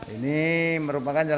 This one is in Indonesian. ini merupakan jamur